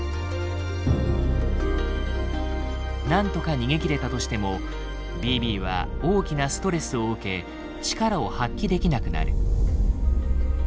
何とか逃げきれたとしてもＢＢは大きなストレスを受け力を発揮できなくなる。